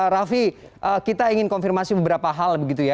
raffi kita ingin konfirmasi beberapa hal begitu ya